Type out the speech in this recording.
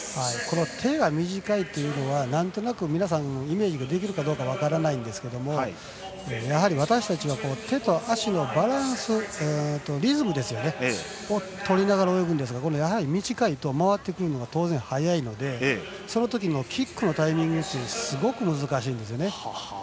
手が短いというのはなんとなく、皆さんイメージができるか分からないんですがやはり私たちは手と足のバランスとリズムをとりながら泳ぐんですが短いと回ってくるのが当然、速いのでそのときのキックのタイミングがすごく難しいんですね。